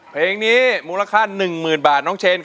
เพลงนี้มูลค่า๑หมื่นบาท